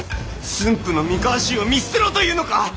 駿府の三河衆を見捨てろというのか！